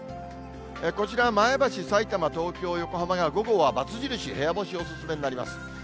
こちら、前橋、さいたま、東京、横浜が午後はバツ印、部屋干しお勧めになります。